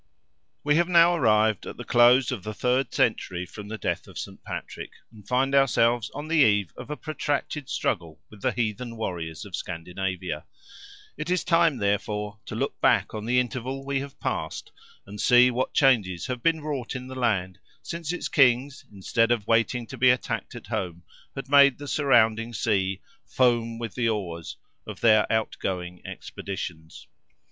We have now arrived at the close of the third century, from the death of Saint Patrick, and find ourselves on the eve of a protracted struggle with the heathen warriors of Scandinavia; it is time, therefore, to look back on the interval we have passed, and see what changes have been wrought in the land, since its kings, instead of waiting to be attacked at home, had made the surrounding sea "foam with the oars" of their outgoing expeditions.